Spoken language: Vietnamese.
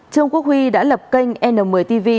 trương quốc huy đã lập kênh n một tv